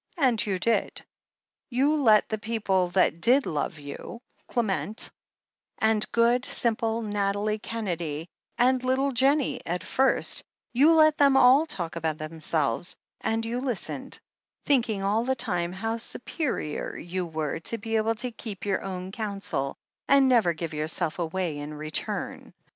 And you did. You let the people that did love you — Clement, and good, simple Nathalie Kennedy, and little Jennie, at first — ^you let them all talk about them selves, and you listened, thinking all the time how superior you were to be able to keep your own counsel, and never give yourself away in return.